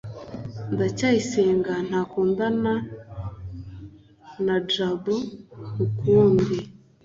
ndacyayisenga ntakundana na jabo ukundi